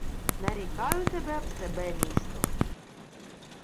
— Нарікаю тебе в себе місто.